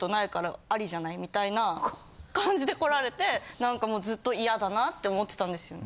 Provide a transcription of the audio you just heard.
みたいな感じで来られてなんかもうずっとイヤだなって思ってたんですよね。